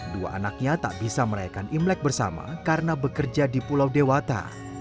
dua anaknya tak bisa merayakan imlek bersama karena bekerja di pulau dewata